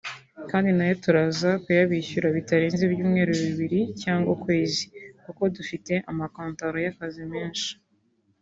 Kandi na yo turaza kuyabishyura bitarenze ibyumweru bibiri cyangwa ukwezi kuko dufite amakontaro y’akazi menshi